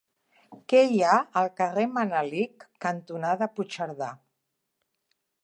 Què hi ha al carrer Manelic cantonada Puigcerdà?